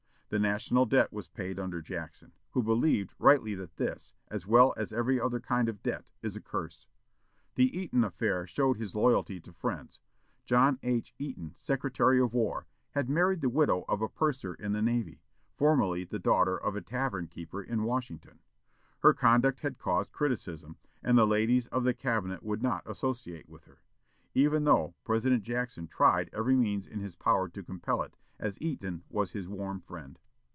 The national debt was paid under Jackson, who believed rightly that this, as well as every other kind of debt, is a curse. The Eaton affair showed his loyalty to friends. John H. Eaton, Secretary of War, had married the widow of a purser in the Navy, formerly the daughter of a tavern keeper in Washington. Her conduct had caused criticism, and the ladies of the Cabinet would not associate with her even though President Jackson tried every means in his power to compel it, as Eaton was his warm friend.